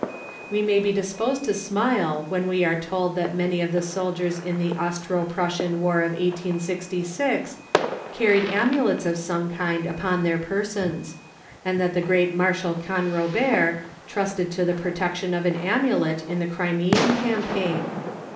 We may be disposed to smile when we are told that many of the soldiers in the Austro Prussian War of 1866 carried amulets of some kind upon their persons, and that the great Marshal Canrobert trusted to the protection of an amulet in the Crimean campaign.